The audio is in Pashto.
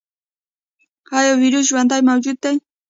ایا ویروس ژوندی موجود دی؟